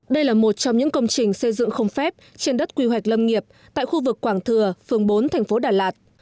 đây là một trong những công trình xây dựng không phép trên đất quy hoạch lâm nghiệp tại khu vực quảng thừa phường bốn thành phố đà lạt